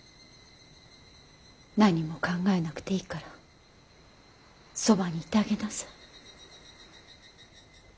何も考えなくていいからそばにいてあげなさい。